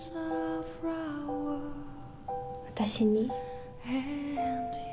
私に。